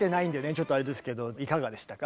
ちょっとあれですけどいかがでしたか？